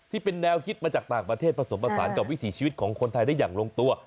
ที่เป็นแนวคิดมาจากต่างประเทศผสมผสานกับวิถีชีวิตของคนไทยได้อย่างลงตัว